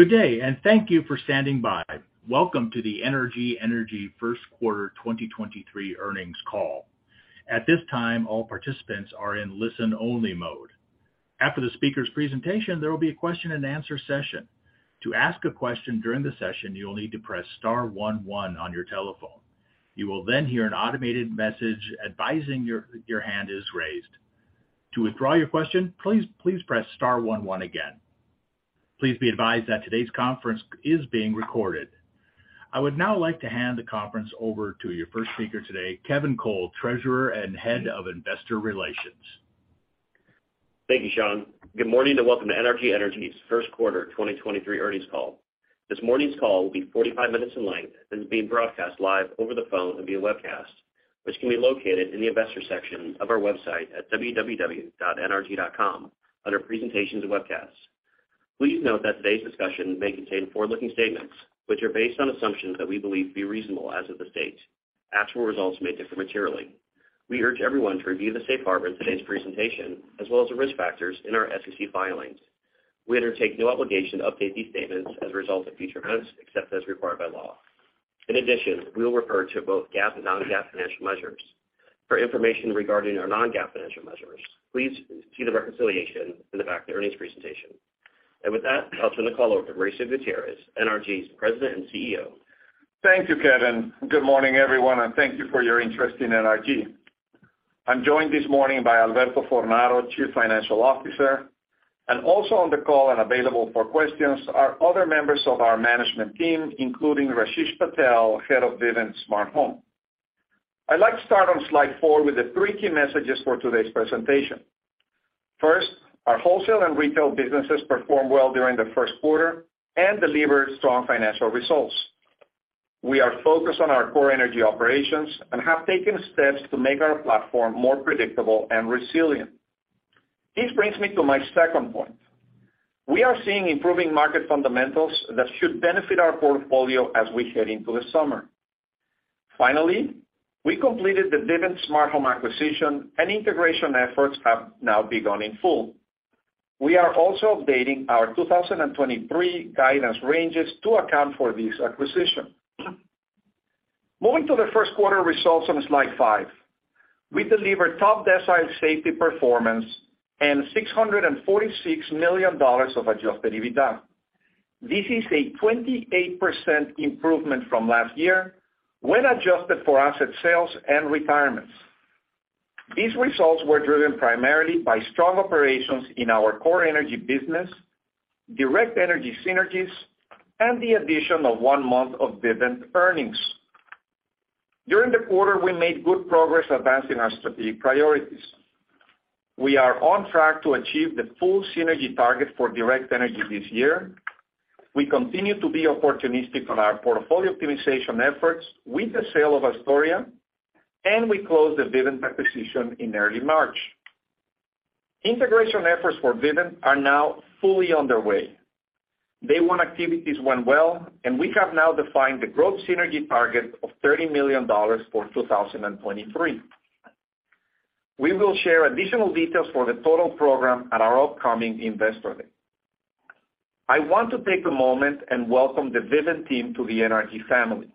Good day, and thank you for standing by. Welcome to the NRG Energy First Quarter 2023 Earnings Call. At this time, all participants are in listen-only mode. After the speaker's presentation, there will be a question and answer session. To ask a question during the session, you will need to press star one one on your telephone. You will then hear an automated message advising your hand is raised. To withdraw your question, please press star one one again. Please be advised that today's conference is being recorded. I would now like to hand the conference over to your first speaker today, Kevin Cole, Treasurer and Head of Investor Relations. Thank you, Sean. Good morning and welcome to NRG Energy's First Quarter 2023 Earnings Call. This morning's call will be 45 minutes in length and is being broadcast live over the phone and via webcast, which can be located in the investor section of our website at www.nrg.com under presentations and webcasts. Please note that today's discussion may contain forward-looking statements, which are based on assumptions that we believe to be reasonable as of this date. Actual results may differ materially. We urge everyone to review the safe harbor in today's presentation, as well as the risk factors in our SEC filings. We undertake no obligation to update these statements as a result of future events except as required by law. In addition, we will refer to both GAAP and non-GAAP financial measures. For information regarding our non-GAAP financial measures, please see the reconciliation in the back of the earnings presentation. With that, I'll turn the call over to Mauricio Gutierrez, NRG's President and CEO. Thank you, Kevin. Good morning, everyone. Thank you for your interest in NRG. I'm joined this morning by Alberto Fornaro, Chief Financial Officer. Also on the call and available for questions are other members of our management team, including Rasesh Patel, Head of Vivint Smart Home. I'd like to start on slide four with the three key messages for today's presentation. First, our wholesale and retail businesses performed well during the first quarter, delivered strong financial results. We are focused on our core energy operations, have taken steps to make our platform more predictable and resilient. This brings me to my second point. We are seeing improving market fundamentals that should benefit our portfolio as we head into the summer. Finally, we completed the Vivint Smart Home acquisition, integration efforts have now begun in full. We are also updating our 2023 guidance ranges to account for this acquisition. Moving to the first quarter results on slide five. We delivered top-decile safety performance and $646 million of adjusted EBITDA. This is a 28% improvement from last year when adjusted for asset sales and retirements. These results were driven primarily by strong operations in our core energy business, Direct Energy synergies, and the addition of one month of Vivint earnings. During the quarter, we made good progress advancing our strategic priorities. We are on track to achieve the full synergy target for Direct Energy this year. We continue to be opportunistic on our portfolio optimization efforts with the sale of Astoria, and we closed the Vivint acquisition in early March. Integration efforts for Vivint are now fully underway. Day one activities went well, and we have now defined the growth synergy target of $30 million for 2023. We will share additional details for the total program at our upcoming Investor Day. I want to take a moment and welcome the Vivint team to the NRG family.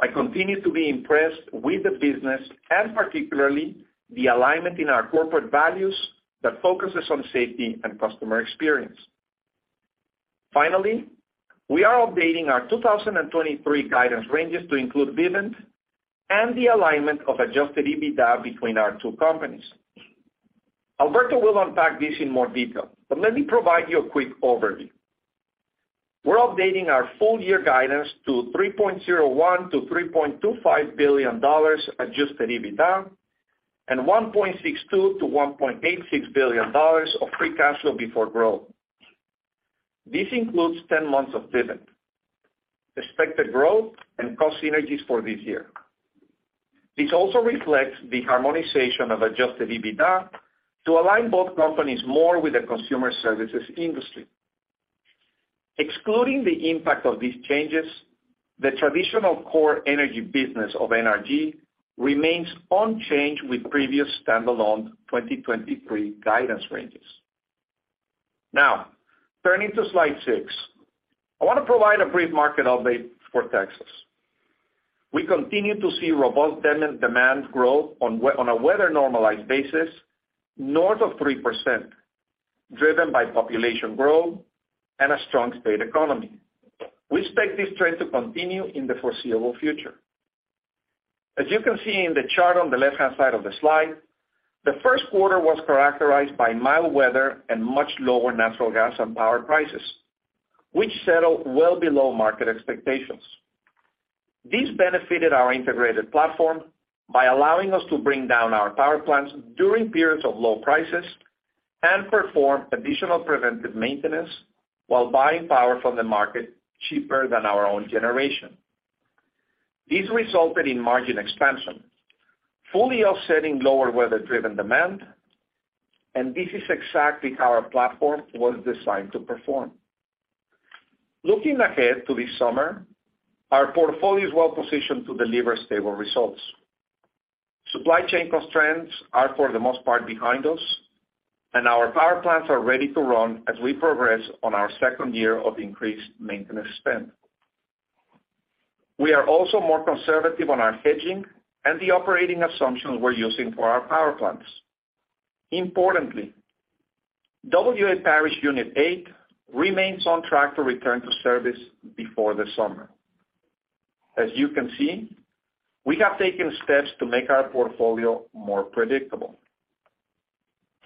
I continue to be impressed with the business and particularly the alignment in our corporate values that focuses on safety and customer experience. Finally, we are updating our 2023 guidance ranges to include Vivint and the alignment of adjusted EBITDA between our two companies. Alberto will unpack this in more detail, but let me provide you a quick overview. We're updating our full year guidance to $3.01 billion-$3.25 billion adjusted EBITDA and $1.62 billion-$1.86 billion of free cash flow before growth. This includes 10 months of Vivint, expected growth, and cost synergies for this year. This also reflects the harmonization of adjusted EBITDA to align both companies more with the consumer services industry. Excluding the impact of these changes, the traditional core energy business of NRG remains unchanged with previous standalone 2023 guidance ranges. Turning to slide six. I want to provide a brief market update for Texas. We continue to see robust demand growth on a weather-normalized basis north of 3%, driven by population growth and a strong state economy. We expect this trend to continue in the foreseeable future. As you can see in the chart on the left-hand side of the slide, the first quarter was characterized by mild weather and much lower natural gas and power prices, which settled well below market expectations. This benefited our integrated platform by allowing us to bring down our power plants during periods of low prices and perform additional preventive maintenance while buying power from the market cheaper than our own generation. This resulted in margin expansion, fully offsetting lower weather-driven demand, and this is exactly how our platform was designed to perform. Looking ahead to this summer, our portfolio is well positioned to deliver stable results. Supply chain constraints are, for the most part, behind us, and our power plants are ready to run as we progress on our second year of increased maintenance spend. We are also more conservative on our hedging and the operating assumptions we're using for our power plants. Importantly, W.A. Parish Unit eight remains on track to return to service before the summer. As you can see, we have taken steps to make our portfolio more predictable.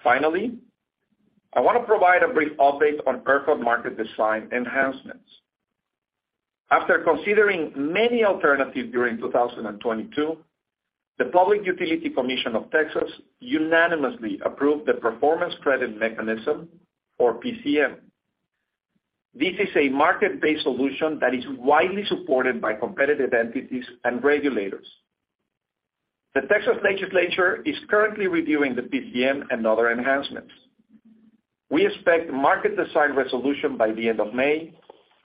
Finally, I wanna provide a brief update on ERCOT market design enhancements. After considering many alternatives during 2022, the Public Utility Commission of Texas unanimously approved the Performance Credit Mechanism, or PCM. This is a market-based solution that is widely supported by competitive entities and regulators. The Texas Legislature is currently reviewing the PCM and other enhancements. We expect market design resolution by the end of May,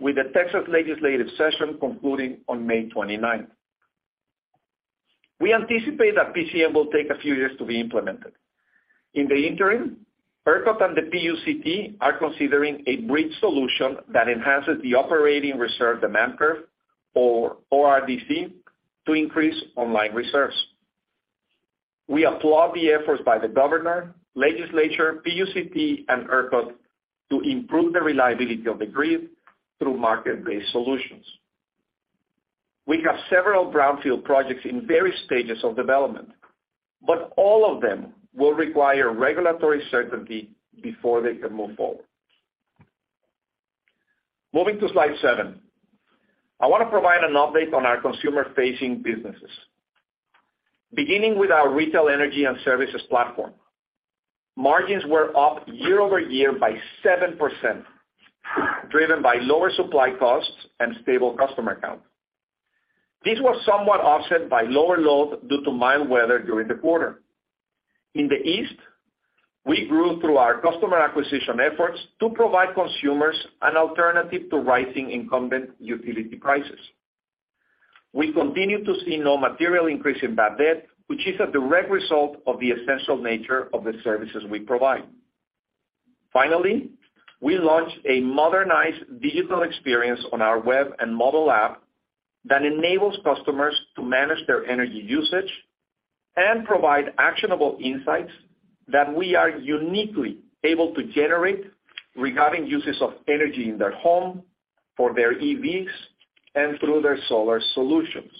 with the Texas legislative session concluding on May 29th. We anticipate that PCM will take a few years to be implemented. In the interim, ERCOT and the PUCT are considering a bridge solution that enhances the Operating Reserve Demand Curve, or ORDC, to increase online reserves. We applaud the efforts by the governor, legislature, PUCT, and ERCOT to improve the reliability of the grid through market-based solutions. We have several brownfield projects in various stages of development, but all of them will require regulatory certainty before they can move forward. Moving to slide seven. I want to provide an update on our consumer-facing businesses. Beginning with our retail energy and services platform. Margins were up year-over-year by 7%, driven by lower supply costs and stable customer count. This was somewhat offset by lower load due to mild weather during the quarter. In the East, we grew through our customer acquisition efforts to provide consumers an alternative to rising incumbent utility prices. We continue to see no material increase in bad debt, which is a direct result of the essential nature of the services we provide. Finally, we launched a modernized digital experience on our web and mobile app that enables customers to manage their energy usage and provide actionable insights that we are uniquely able to generate regarding uses of energy in their home, for their EVs, and through their solar solutions.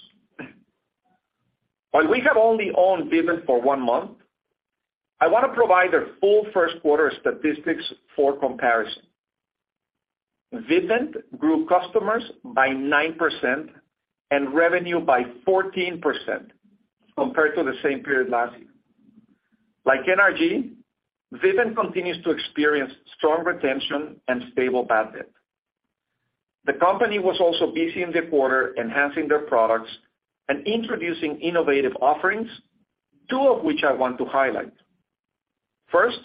While we have only owned Vivint for one month, I want to provide their full first quarter statistics for comparison. Vivint grew customers by 9% and revenue by 14% compared to the same period last year. Like NRG, Vivint continues to experience strong retention and stable bad debt. The company was also busy in the quarter enhancing their products and introducing innovative offerings, two of which I want to highlight. First,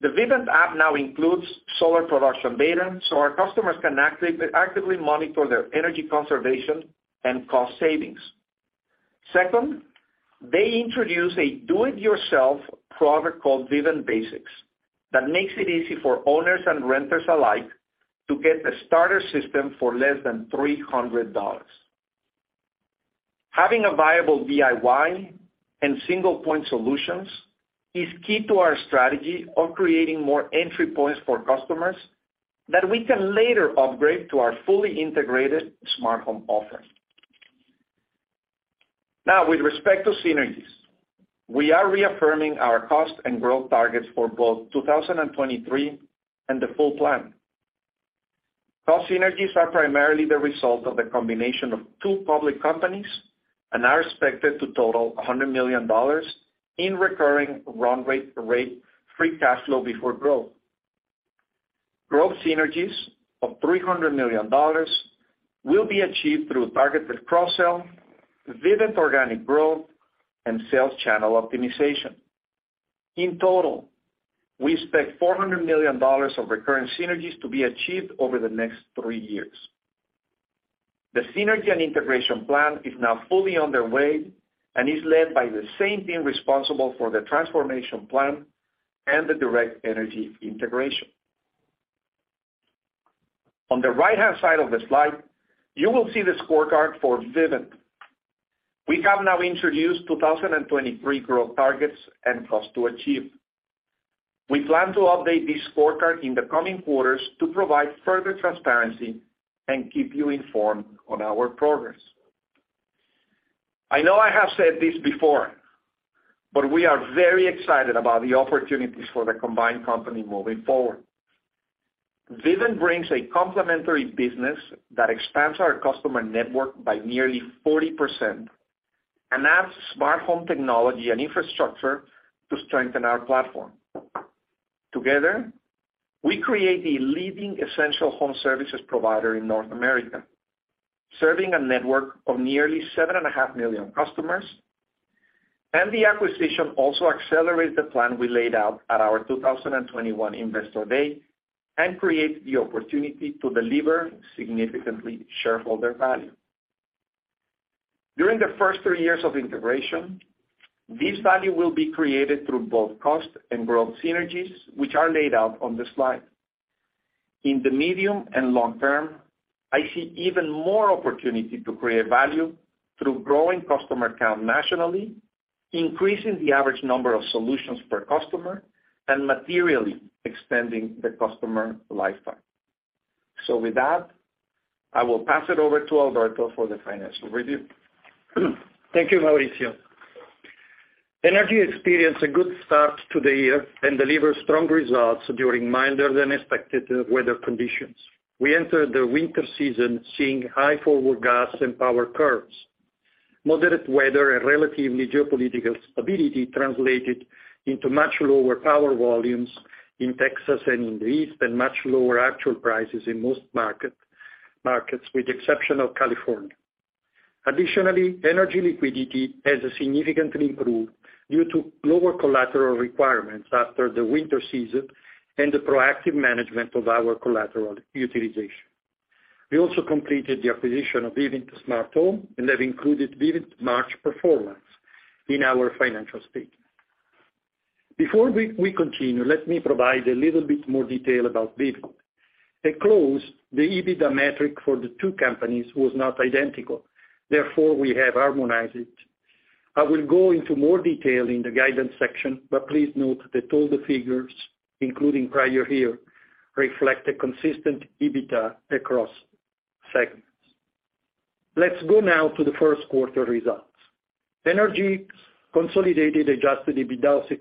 the Vivint app now includes solar production data, so our customers can actively monitor their energy conservation and cost savings. Second, they introduce a do-it-yourself product called Vivint Basics that makes it easy for owners and renters alike to get a starter system for less than $300. Having a viable DIY and single-point solutions is key to our strategy of creating more entry points for customers that we can later upgrade to our fully integrated smartphone offering. With respect to synergies, we are reaffirming our cost and growth targets for both 2023 and the full plan. Cost synergies are primarily the result of the combination of two public companies and are expected to total $100 million in recurring run rate free cash flow before growth. Growth synergies of $300 million will be achieved through targeted cross-sell, Vivint organic growth, and sales channel optimization. In total, we expect $400 million of recurring synergies to be achieved over the next three years. The synergy and integration plan is now fully underway and is led by the same team responsible for the transformation plan and the Direct Energy integration. On the right-hand side of the slide, you will see the scorecard for Vivint. We have now introduced 2023 growth targets and cost to achieve. We plan to update this scorecard in the coming quarters to provide further transparency and keep you informed on our progress. I know I have said this before, we are very excited about the opportunities for the combined company moving forward. Vivint brings a complementary business that expands our customer network by nearly 40% and adds smart home technology and infrastructure to strengthen our platform. Together, we create the leading essential home services provider in North America, serving a network of nearly 7.5 million customers. The acquisition also accelerates the plan we laid out at our 2021 Investor Day. Create the opportunity to deliver significantly shareholder value. During the first three years of integration, this value will be created through both cost and growth synergies, which are laid out on this slide. In the medium and long term, I see even more opportunity to create value through growing customer count nationally, increasing the average number of solutions per customer, and materially extending the customer lifetime. With that, I will pass it over to Alberto for the financial review. Thank you, Mauricio. Energy experienced a good start to the year and delivered strong results during milder than expected weather conditions. We entered the winter season seeing high forward gas and power curves. Moderate weather and relatively geopolitical stability translated into much lower power volumes in Texas and in the East, and much lower actual prices in most markets with the exception of California. Additionally, energy liquidity has significantly improved due to lower collateral requirements after the winter season and the proactive management of our collateral utilization. We also completed the acquisition of Vivint Smart Home, and have included Vivint's March performance in our financial statement. Before we continue, let me provide a little bit more detail about Vivint. At close, the EBITDA metric for the two companies was not identical, therefore, we have harmonized it. I will go into more detail in the guidance section, but please note that all the figures, including prior year, reflect a consistent EBITDA across segments. Let's go now to the first quarter results. NRG's consolidated adjusted EBITDA of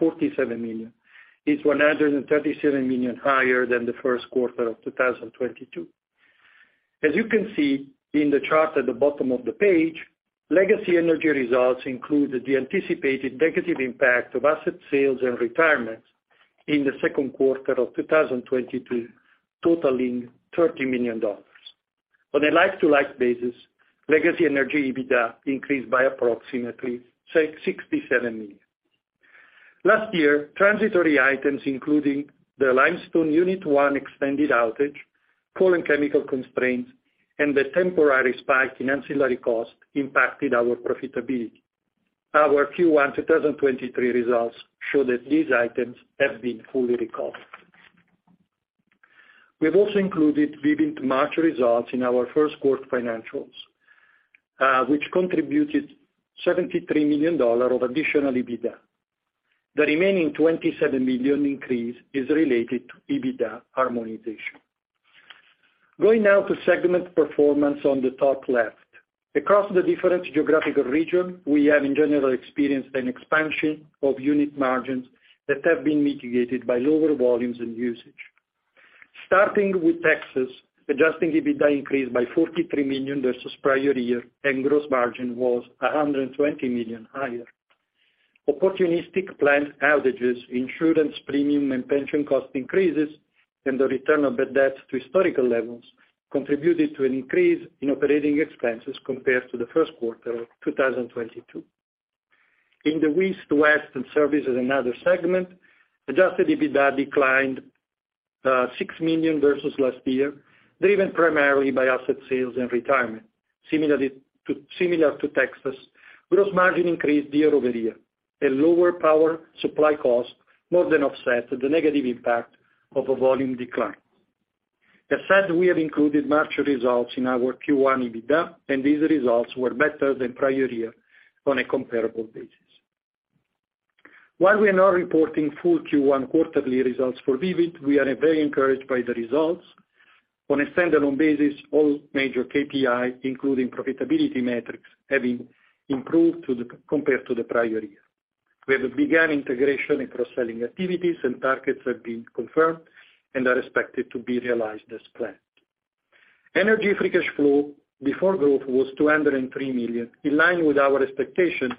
$647 million is $137 million higher than the first quarter of 2022. As you can see in the chart at the bottom of the page, Legacy Energy results include the anticipated negative impact of asset sales and retirements in the second quarter of 2022, totaling $30 million. On a like-to-like basis, Legacy Energy EBITDA increased by approximately $67 million. Last year, transitory items including the Limestone Unit one extended outage, coal and chemical constraints, and the temporary spike in ancillary costs impacted our profitability. Our Q1 2023 results show that these items have been fully recovered. We've also included Vivint March results in our first quarter financials, which contributed $73 million of additional EBITDA. The remaining $27 million increase is related to EBITDA harmonization. Going now to segment performance on the top left. Across the different geographical region, we have in general experienced an expansion of unit margins that have been mitigated by lower volumes and usage. Starting with Texas, adjusted EBITDA increased by $43 million versus prior year, and gross margin was $120 million higher. Opportunistic plant outages, insurance premium, and pension cost increases, and the return of the debt to historical levels contributed to an increase in operating expenses compared to the first quarter of 2022. In the East, West, and Services/Other segment, adjusted EBITDA declined $6 million versus last year, driven primarily by asset sales and retirement. Similar to Texas, gross margin increased year-over-year. A lower power supply cost more than offset the negative impact of a volume decline. As said, we have included March results in our Q1 EBITDA, and these results were better than prior year on a comparable basis. While we are now reporting full Q1 quarterly results for Vivint, we are very encouraged by the results. On a standalone basis, all major KPI, including profitability metrics, have been improved compared to the prior year. We have begun integration and cross-selling activities, and targets have been confirmed and are expected to be realized as planned. Energy free cash flow before growth was $203 million, in line with our expectation,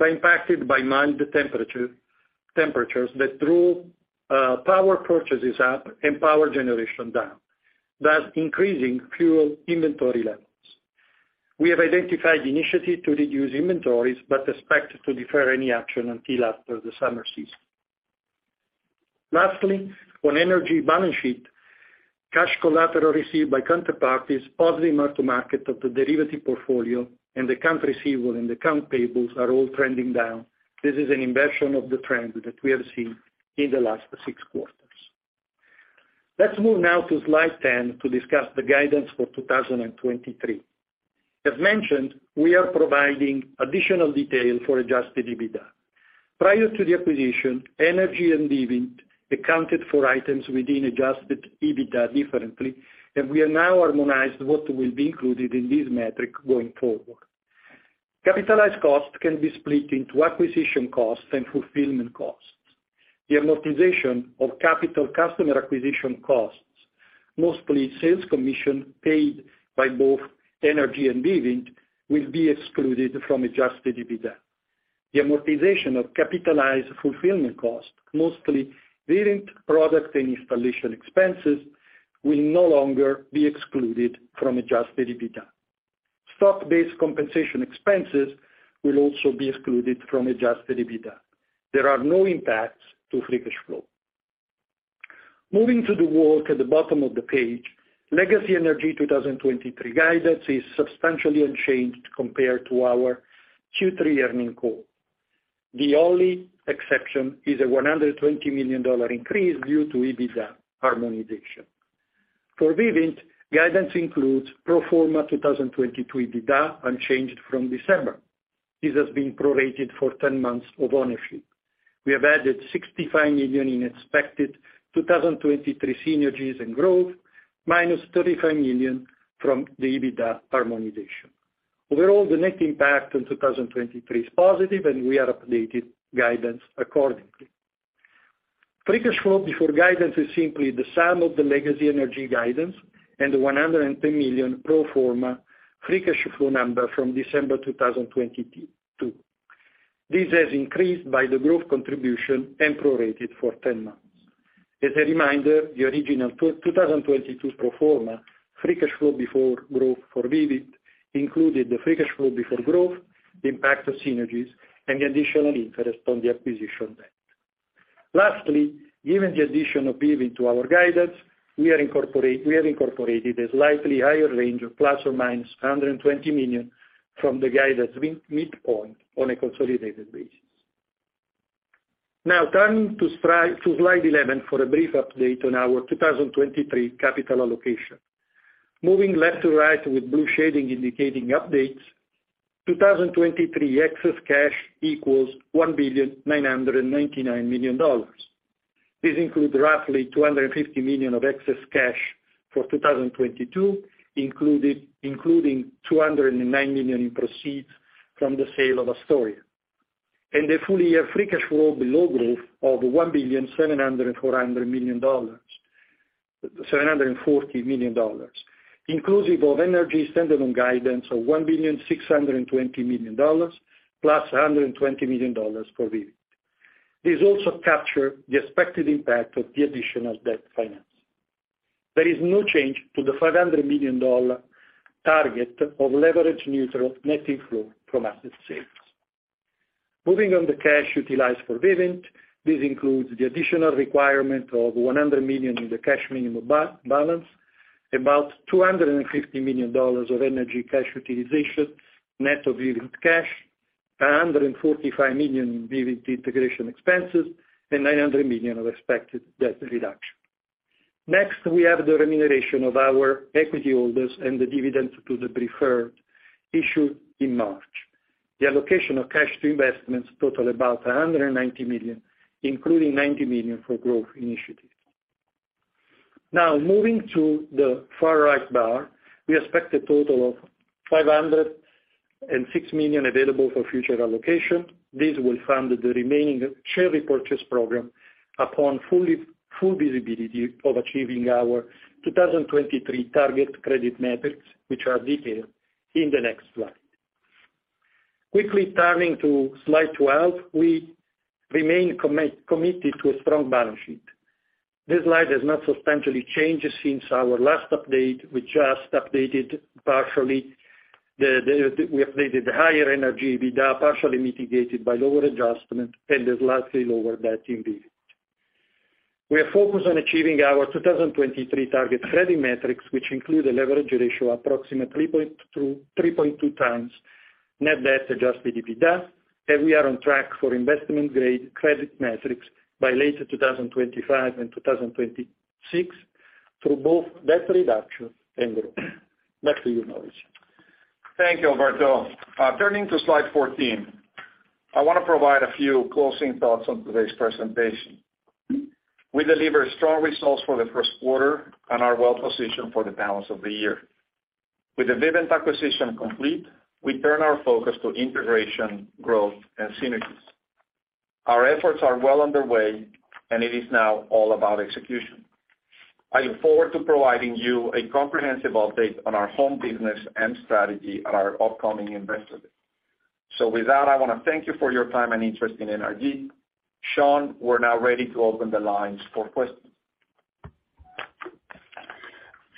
but impacted by mild temperature, that drove power purchases up and power generation down, thus increasing fuel inventory levels. We have identified the initiative to reduce inventories, but expect to defer any action until after the summer season. On energy balance sheet, cash collateral received by counterparties, positive Mark-to-Market of the derivative portfolio, and account receivable and account payables are all trending down. This is an inversion of the trend that we have seen in the last six quarters. Let's move now to slide 10 to discuss the guidance for 2023. As mentioned, we are providing additional detail for adjusted EBITDA. Prior to the acquisition, NRG and Vivint accounted for items within adjusted EBITDA differently. We are now harmonized what will be included in this metric going forward. Capitalized Costs can be split into acquisition costs and fulfillment costs. The amortization of Capitalized Customer Acquisition Costs, mostly sales commission paid by both NRG and Vivint, will be excluded from adjusted EBITDA. The amortization of Capitalized Fulfillment Costs, mostly Vivint product and installation expenses, will no longer be excluded from adjusted EBITDA. stock-based compensation expenses will also be excluded from adjusted EBITDA. There are no impacts to free cash flow. Moving to the work at the bottom of the page, Legacy Energy 2023 guidance is substantially unchanged compared to our Q3 earnings call. The only exception is a $120 million increase due to EBITDA harmonization. For Vivint, guidance includes pro forma 2022 EBITDA unchanged from December. This has been prorated for 10 months of ownership. We have added $65 million in expected 2023 synergies and growth, minus $35 million from the EBITDA harmonization. Overall, the net impact in 2023 is positive, and we have updated guidance accordingly. Free cash flow before guidance is simply the sum of the Legacy Energy guidance and the $110 million pro forma free cash flow number from December 2022. This has increased by the growth contribution and prorated for 10 months. As a reminder, the original 2022 pro forma free cash flow before growth for Vivint included the free cash flow before growth, the impact of synergies and the additional interest on the acquisition debt. Lastly, given the addition of Vivint to our guidance, we have incorporated a slightly higher range of ±$120 million from the guidance mid-point on a consolidated basis. Turning to slide 11 for a brief update on our 2023 capital allocation. Moving left to right with blue shading indicating updates, 2023 excess cash equals $1,999,000,000. This includes roughly $250 million of excess cash for 2022, including $209 million in proceeds from the sale of Astoria. The full year free cash flow below growth of $1,740,000,000, inclusive of energy standalone guidance of $1,620,000,000 plus $120 million for Vivint. This also capture the expected impact of the additional debt finance. There is no change to the $500 million target of leverage neutral net inflow from asset sales. Moving on to cash utilized for Vivint. This includes the additional requirement of $100 million in the cash minimum balance, about $250 million of energy cash utilization, net of Vivint cash, $145 million in Vivint integration expenses, and $900 million of expected debt reduction. Next, we have the remuneration of our equity holders and the dividends to the preferred issued in March. The allocation of cash to investments totaled about $190 million, including $90 million for growth initiatives. Moving to the far right bar, we expect a total of $506 million available for future allocation. This will fund the remaining share repurchase program upon full visibility of achieving our 2023 target credit metrics, which are detailed in the next slide. Quickly turning to slide 12. We remain committed to a strong balance sheet. This slide has not substantially changed since our last update. We just updated partially the, we updated the higher energy EBITDA, partially mitigated by lower adjustment and the slightly lower debt in Vivint. We are focused on achieving our 2023 target credit metrics, which include a leverage ratio approximately 3.2x Net Debt to Adjusted EBITDA, and we are on track for investment-grade credit metrics by late 2025 and 2026 through both debt reduction and growth. Back to you, Mauricio. Thank you, Alberto. Turning to slide 14. I wanna provide a few closing thoughts on today's presentation. We delivered strong results for the first quarter and are well positioned for the balance of the year. With the Vivint acquisition complete, we turn our focus to integration, growth, and synergies. Our efforts are well underway, and it is now all about execution. I look forward to providing you a comprehensive update on our home business and strategy at our upcoming Investor Day. With that, I wanna thank you for your time and interest in NRG. Sean, we're now ready to open the lines for questions.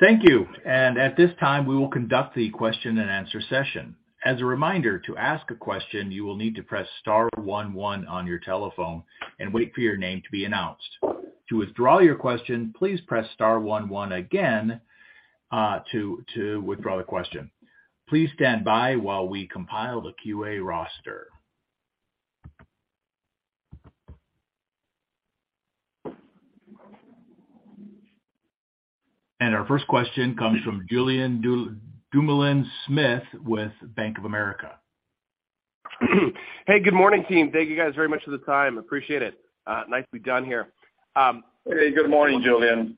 Thank you. At this time, we will conduct the question-and-answer session. As a reminder, to ask a question, you will need to press star 11 on your telephone and wait for your name to be announced. To withdraw your question, please press star 11 again, to withdraw the question. Please stand by while we compile the QA roster. Our first question comes from Julien Dumoulin-Smith with Bank of America. Hey, good morning, team. Thank you guys very much for the time. Appreciate it. Nicely done here. Hey, good morning, Julian.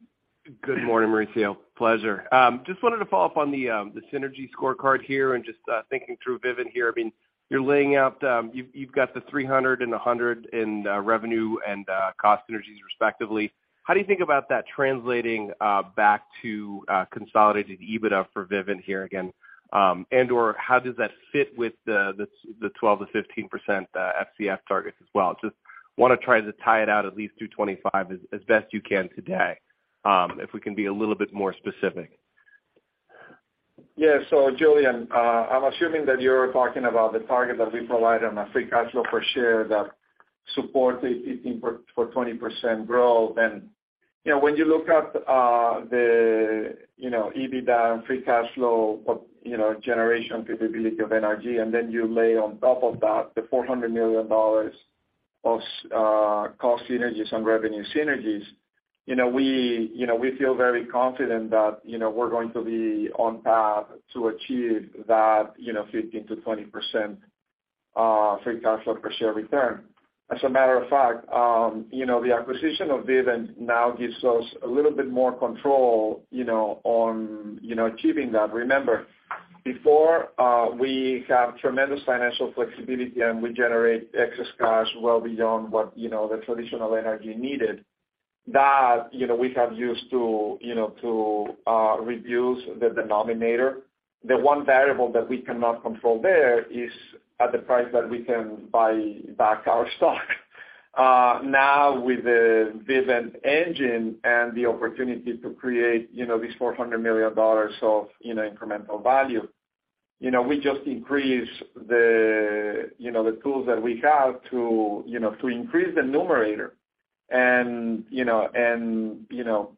Good morning, Mauricio. Pleasure. Just wanted to follow up on the synergy scorecard here and just thinking through Vivint here. I mean, you've got the $300 and $100 in revenue and cost synergies respectively. How do you think about that translating back to consolidated EBITDA for Vivint here again? And/or how does that fit with the 12%-15% FCF targets as well? Just wanna try to tie it out at least through 2025 as best you can today. If we can be a little bit more specific. Yeah. Julian, I'm assuming that you're talking about the target that we provide on a free cash flow per share that supports a 15 per-- for 20% growth. You know, when you look at the, you know, EBITDA and free cash flow, but, you know, generation capability of NRG, and then you lay on top of that the $400 million of cost synergies and revenue synergies, you know, we, you know, we feel very confident that, you know, we're going to be on path to achieve that, you know, 15%-20%, free cash flow per share return. As a matter of fact, you know, the acquisition of Vivint now gives us a little bit more control, you know, on, you know, achieving that. Remember, before, we have tremendous financial flexibility and we generate excess cash well beyond what, you know, the traditional NRG needed. That, you know, we have used to, you know, to reduce the denominator. The one variable that we cannot control there is at the price that we can buy back our stock. Now with the Vivint engine and the opportunity to create, you know, this $400 million of, you know, incremental value. You know, we just increase the, you know, the tools that we have to, you know, to increase the numerator and, you know, and, you know,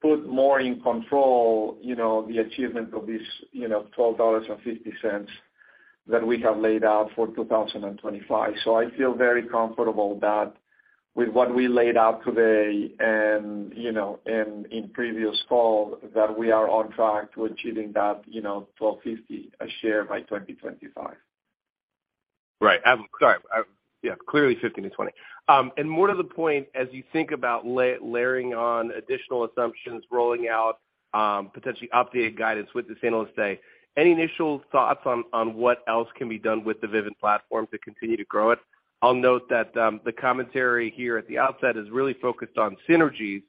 put more in control, you know, the achievement of this, you know, $12.50 that we have laid out for 2025. I feel very comfortable that with what we laid out today and, you know, and in previous call that we are on track to achieving that, you know, $12.50 a share by 2025. Right. Sorry, Yeah, clearly 15-20. More to the point, as you think about layering on additional assumptions, rolling out, potentially updated guidance with this analyst day, any initial thoughts on what else can be done with the Vivint platform to continue to grow it? I'll note that, the commentary here at the outset is really focused on synergies.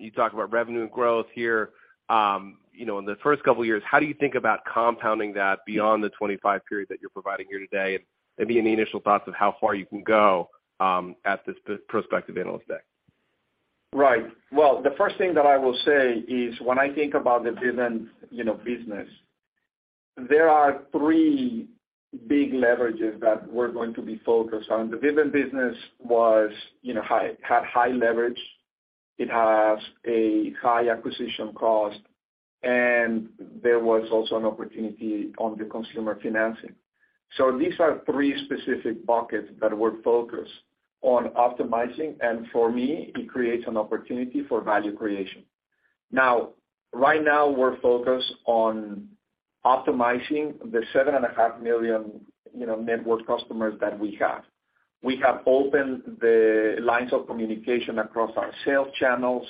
You talk about revenue and growth here. You know, in the first couple of years, how do you think about compounding that beyond the 25 period that you're providing here today? Maybe any initial thoughts of how far you can go, at this prospective analyst day? Right. Well, the first thing that I will say is when I think about the Vivint, you know, business. There are three big leverages that we're going to be focused on. The Vivint business was, you know, had high leverage. It has a high acquisition cost. There was also an opportunity on the consumer financing. These are three specific buckets that we're focused on optimizing, and for me, it creates an opportunity for value creation. Now, right now, we're focused on optimizing the 7.5 million, you know, network customers that we have. We have opened the lines of communication across our sales channels.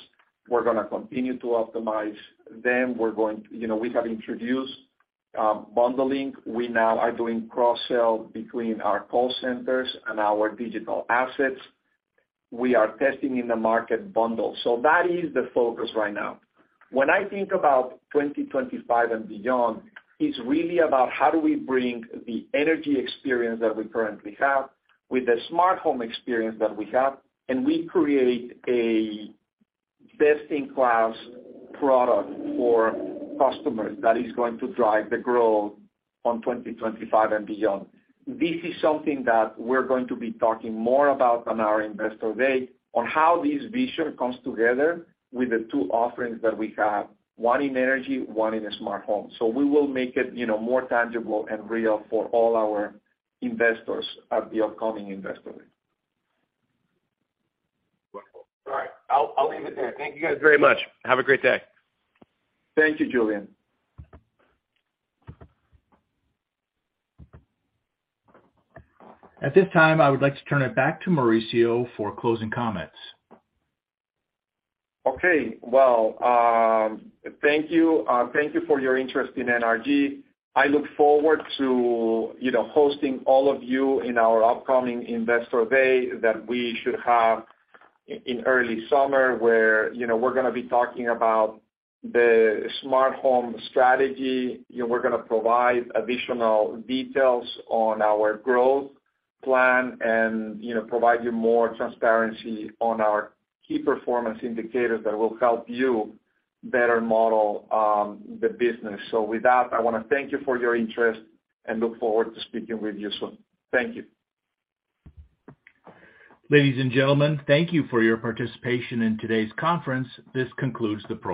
We're gonna continue to optimize them. You know, we have introduced bundling. We now are doing cross-sell between our call centers and our digital assets. We are testing in the market bundle. That is the focus right now. When I think about 2025 and beyond, it's really about how do we bring the energy experience that we currently have with the smart home experience that we have, and we create a best-in-class product for customers that is going to drive the growth on 2025 and beyond. This is something that we're going to be talking more about on our Investor Day on how this vision comes together with the two offerings that we have, one in energy, one in a smart home. We will make it, you know, more tangible and real for all our investors at the upcoming Investor Day. Wonderful. All right. I'll leave it there. Thank you guys very much. Have a great day. Thank you, Julien. At this time, I would like to turn it back to Mauricio for closing comments. Okay. Well, thank you. Thank you for your interest in NRG. I look forward to, you know, hosting all of you in our upcoming Investor Day that we should have in early summer, where, you know, we're gonna be talking about the smart home strategy. You know, we're gonna provide additional details on our growth plan and, you know, provide you more transparency on our key performance indicators that will help you better model the business. With that, I wanna thank you for your interest, and look forward to speaking with you soon. Thank you. Ladies and gentlemen, thank you for your participation in today's conference. This concludes the call.